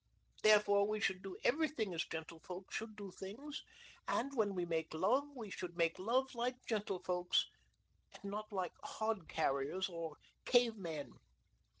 Therefore we should do everything as gentle folk should do things, and when we make love we should make love like gentlefolk, and not like hod carriers or cavemen."